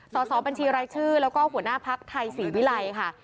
สอบบัญชีรายชื่อแล้วก็หัวหน้าภักดิ์ไทยศรีวิลัยค่ะ